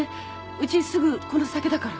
うちすぐこの先だから。